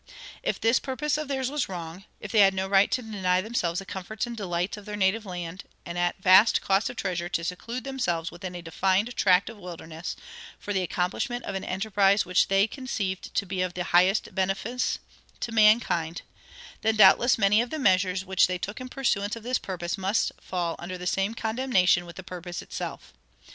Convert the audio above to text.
If this purpose of theirs was wrong; if they had no right to deny themselves the comforts and delights of their native land, and at vast cost of treasure to seclude themselves within a defined tract of wilderness, for the accomplishment of an enterprise which they conceived to be of the highest beneficence to mankind then doubtless many of the measures which they took in pursuance of this purpose must fall under the same condemnation with the purpose itself.